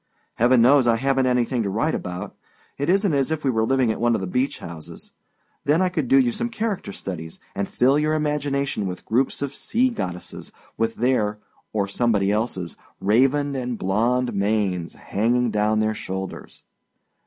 Heaven knows, I havenât anything to write about. It isnât as if we were living at one of the beach houses; then I could do you some character studies, and fill your imagination with groups of sea goddesses, with their (or somebody elseâs) raven and blonde manes hanging down their shoulders.